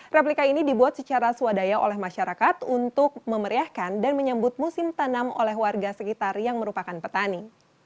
replika ini dibuat secara swadaya oleh masyarakat untuk memeriahkan dan menyambut musim tanam oleh warga sekitar yang merupakan petani